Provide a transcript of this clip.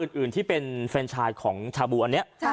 อื่นที่เป็นแฟนชายของชาบูอันนี้